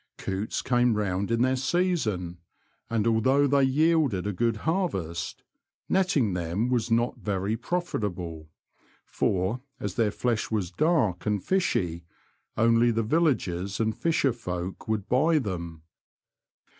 Coots came round in their season, and although they yielded a good harvest, netting them was not very profitable, for as their flesh was dark and fishy only the villagers and fisher folk would buy them.